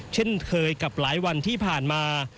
เช่นเคยกับหลายวันที่ผ่านมา